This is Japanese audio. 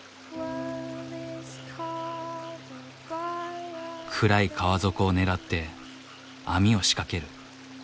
暗い川底を狙って網を仕掛ける。